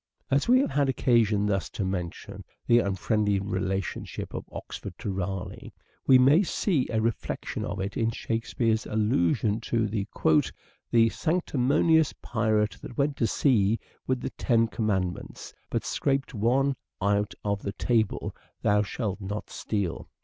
As we have had occasion thus to mention the un friendly relationship of Oxford to Raleigh we may see a reflection of it in Shakespeare's allusion to " the sanctimonious pirate that went to sea with the Ten Commandments, but scraped one out of the table, ' Thou shalt not steal.'